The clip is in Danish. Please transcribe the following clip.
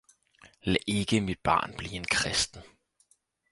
Lad ikke mit barn blive en kristen